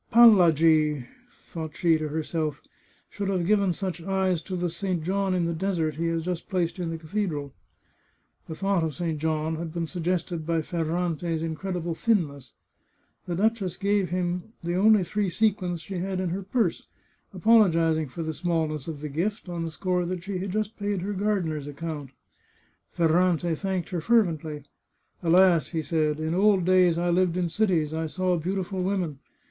" Pallagi," thought she to herself, " should have given such eyes to the St. John in the Desert he has just placed in the cathedral." The thought of St. John had been suggested by Ferrante's incredible thinness. The duchess gave him the only three sequins she had in her purse, apologizing for the smallness of the gift, on the score that she had just paid her gardener's account. Ferrante thanked her fervently. " Alas !" he said, " in old days I lived in cities ; I saw beautiful women.